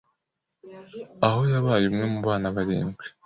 aho yabaye umwe mu bana barindwi